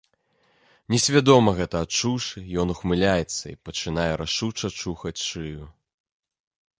Несвядома гэта адчуўшы, ён ухмыляецца і пачынае рашуча чухаць шыю.